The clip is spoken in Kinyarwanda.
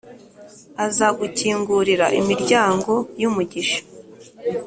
Azagukingurira imiryango yumugisha